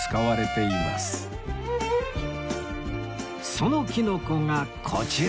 そのきのこがこちら